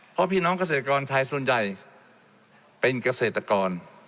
เพราะพี่น้องเกษตรกรไทยส่วนใหญ่เป็นเกษตรกร